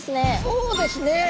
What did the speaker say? そうですね。